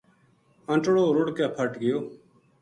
انٹڑو رُڑھ کے پھٹ گیو